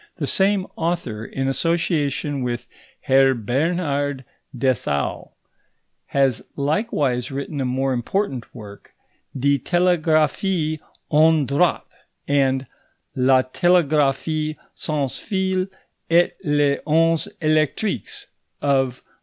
The same author, in association with Herr Bernhard Dessau, has likewise written a more important work, Die Telegraphie ohne Draht; and La Telegraphie sans fil et les ondes Électriques of MM.